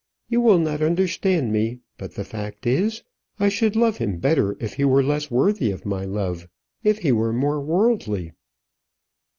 You will not understand me; but the fact is, I should love him better if he were less worthy of my love if he were more worldly."